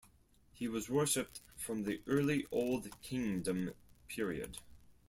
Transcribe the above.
He was worshipped from the early Old Kingdom period.